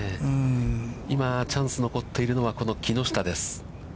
今、チャンスが残っているのはこの木下です。